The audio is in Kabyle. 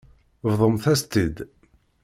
Bḍumt-as-tt-id.